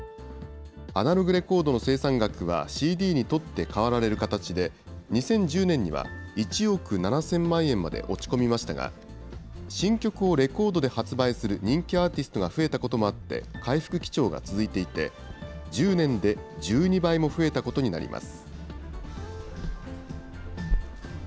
アナログレコードの生産額はＣＤに取って代わられる形で、２０１０年には１億７０００万円まで落ち込みましたが、新曲をレコードで発売する人気アーティストが増えたこともあって、回復基調が続いていて、１０年で１２倍も増えたことになります。